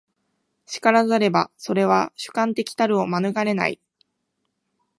然らざれば、それは主観的たるを免れない。